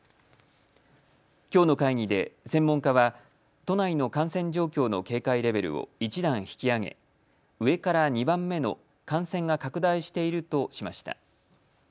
きょうの会議で専門家は都内の感染状況の警戒レベルを１段引き上げ上から２番目の感染が拡大しているとしました。